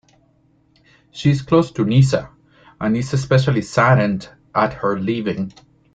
She is close to Nyssa, and is especially saddened at her leaving.